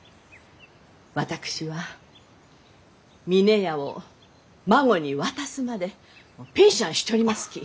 私は峰屋を孫に渡すまでピンシャンしちょりますき。